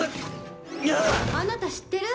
あなた知ってる？